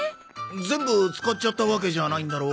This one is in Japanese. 全部使っちゃったわけじゃないだろ？